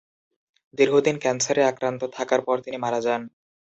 দীর্ঘদিন ক্যান্সারে আক্রান্ত থাকার পর তিনি মারা যান।